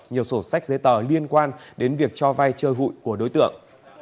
nhiều sổ sách giấy tờ liên quan đến việc cho vay chơi hụi của đối tượng